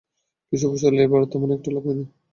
কৃষি ফসলে এবার তেমন একটা লাভ হয়নি।